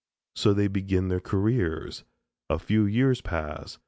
So they begin their careers. A few years pass.